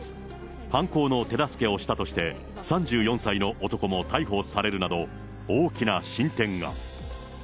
犯行の手助けをしたとして、３４歳の男も逮捕されるなど、大きな進展が。